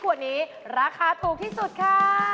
ขวดนี้ราคาถูกที่สุดค่ะ